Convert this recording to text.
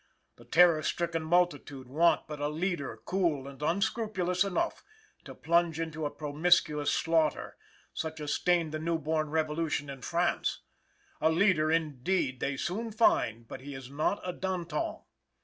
The terror stricken multitude want but a leader cool and unscrupulous enough, to plunge into a promiscuous slaughter, such as stained the new born revolution in France. A leader, indeed, they soon find, but he is not a Danton.